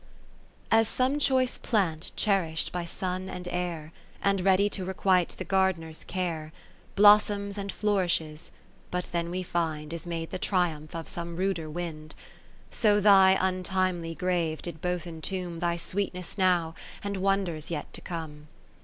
As some choice plant cherish'd by sun and air. And ready to requite the gard'ner's care. Blossoms and flourishes, but then, we find. Is made the triumph of some ruder wind : So thy untimely grave did both entomb Thy sweetness now, and wonders yet to come.